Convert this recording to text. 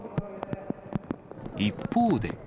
一方で。